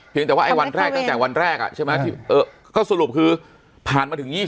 แต่ว่าไอ้วันแรกตั้งแต่วันแรกใช่ไหมที่ก็สรุปคือผ่านมาถึง๒๐